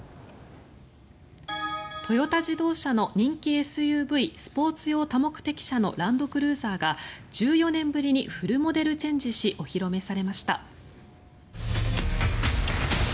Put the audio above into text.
トヨタ自動車の人気ＳＵＶスポーツ用多目的車のランドクルーザーが１４年ぶりにフルモデルチェンジしお披露目されました。